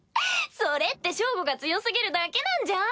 それってショウゴが強過ぎるだけなんじゃん？